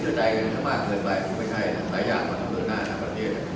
ไม่ว่าเกิดไปก็ไม่ได้แต่อย่างมันทำเรื่องหน้าในประเทศ